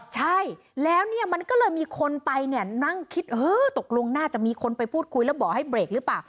ใช่แล้วเนี่ยมันก็เลยมีคนไปเนี่ยนั่งคิดเออตกลงน่าจะมีคนไปพูดคุยแล้วบอกให้เบรกหรือเปล่า